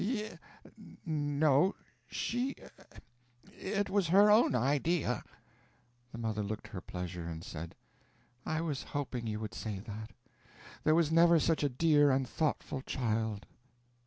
"Y no she it was her own idea." The mother looked her pleasure, and said: "I was hoping you would say that. There was never such a dear and thoughtful child!...